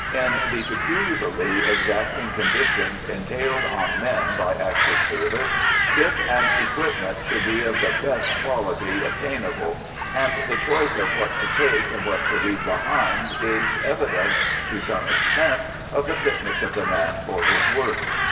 In the peculiarly exacting conditions entailed on men by active service, kit and equipment should be of the best quality obtainable, and the choice of what to take and what to leave behind is evidence, to some extent, of the fitness of the man for his work.